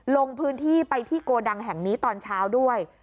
ลงพื้นที่ไปที่โกดังแห่งนี้ตอนเช้าด้วย